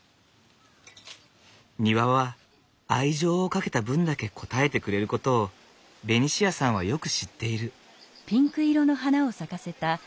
庭は愛情をかけた分だけ応えてくれることをベニシアさんはよく知っている。